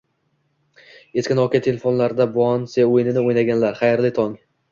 Eski Nokia telefonlarda "Bounce" o'yinini o'ynaganlar, xayrli tong!